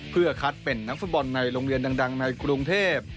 เพื่อคัดเป็นนักฟุตบอลในโรงเรียนดังในกรุงเทพ